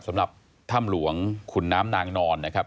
สำหรับถ้ำหลวงขุนน้ำนางนอนนะครับ